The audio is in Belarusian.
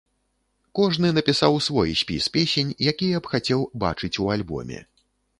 Кожны напісаў свой спіс песень, якія б хацеў бачыць у альбоме.